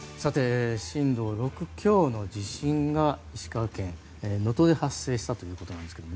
震度６強の地震が石川県能登で発生したということです。